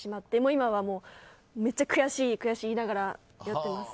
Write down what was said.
今はめっちゃ悔しい悔しい言いながらやってます。